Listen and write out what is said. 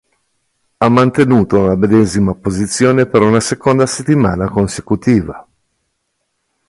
Ha mantenuto la medesima posizione per una seconda settimana consecutiva.